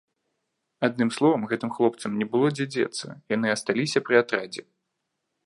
Адным словам, гэтым хлопцам не было дзе дзецца, яны асталіся пры атрадзе.